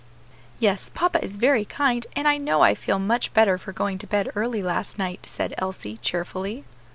"Yes, papa is very kind, and I know I feel much better for going to bed early last night," said Elsie, cheerfully.